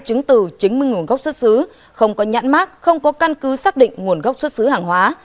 chứng từ chứng minh nguồn gốc xuất xứ không có nhãn mát không có căn cứ xác định nguồn gốc xuất xứ hàng hóa